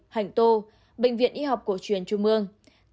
bảy hạnh tô bệnh viện y học cổ truyền trung mương